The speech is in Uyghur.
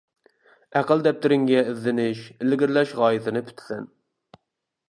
ئەقىل دەپتىرىڭگە ئىزدىنىش، ئىلگىرىلەش غايىسىنى پۈتىسەن.